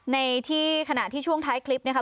ในที่ขณะที่ช่วงท้ายคลิปนะครับ